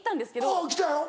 あぁ来たよ。